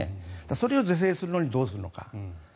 それを是正するのにどうするのか。